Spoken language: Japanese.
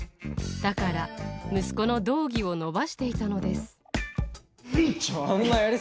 だから、息子の道着を伸ばしていたのです。